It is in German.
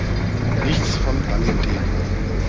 Nichts von alledem.